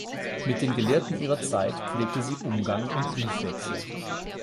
Mit den Gelehrten ihrer Zeit pflegte sie Umgang und Briefwechsel.